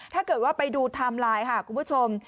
ถ้าเกิดว่าไปดูไทม์ไลน์ค่ะคุณผู้ชม